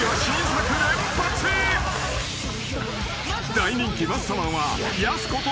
［大人気マッサマンは］